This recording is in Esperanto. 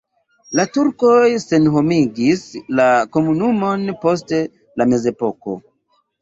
La turkoj senhomigis la komunumon post la mezepoko.